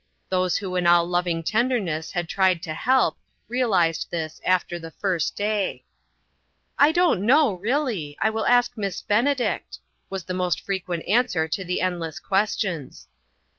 Those who in all loving tenderness had tried to help, realized this after the first day. " I don't know, really; I will ask Miss Bene dict," was the most frequent answer to the endless questions.